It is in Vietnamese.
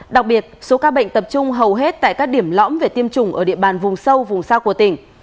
đặc biệt số ca bệnh tập trung hầu hết tại các điểm lõm về tiêm chủng ở địa bàn vùng sâu vùng xa của tỉnh